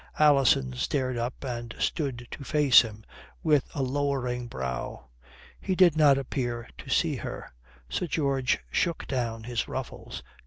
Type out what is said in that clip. Alison started up and stood to face him with a lowering brow. He did not appear to see her. Sir George shook down his ruffles.